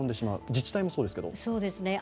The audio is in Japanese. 自治体もそうですけど。